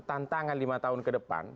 tantangan lima tahun ke depan